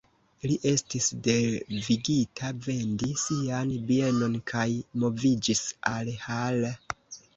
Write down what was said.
Li estis devigita vendi sian bienon kaj moviĝis al Hall.